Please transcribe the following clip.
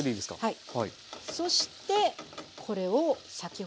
はい。